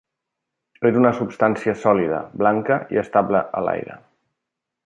És una substància sòlida, blanca i estable a l'aire.